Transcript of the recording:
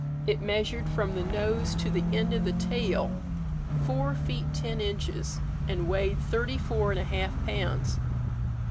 It measured from the nose to the end of the tail, four feet ten inches, and weighed thirty four and a half pounds.